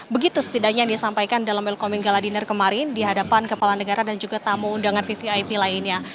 begitu setidaknya yang disampaikan dalam belcoming gala dinner kemarin di hadapan kepala negara dan juga tamu undangan vvip lainnya